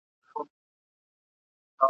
پردي وطن ته په کډه تللي ..